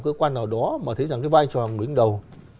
cơ quan nào đó mà thấy rằng cái vai trò người đứng đầu